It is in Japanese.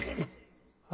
あ。